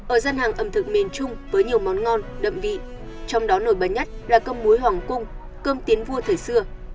ở gian hàng ẩm thực miền trung với nhiều món ngon đậm vị trong đó nổi bật nhất là cơm muối hoàng cung cơm tiến vua thời xưa